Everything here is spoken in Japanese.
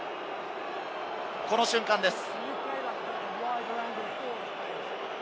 この瞬間です。